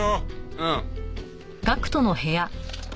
うん。